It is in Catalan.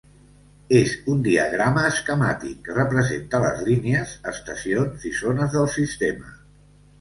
És un diagrama esquemàtic que representa les línies, estacions i zones del sistema.